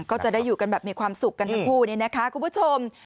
ก็จะได้อยู่กันแบบมีความสุขกันทั้งคู่นี่นะคะคุณผู้ชม